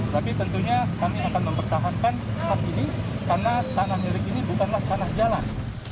tapi tentunya kami akan mempertahankan hal ini karena tanah milik ini bukanlah tanah jalan